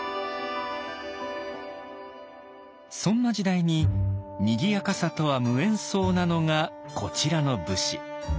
そんな時代ににぎやかさとは無縁そうなのがこちらの武士。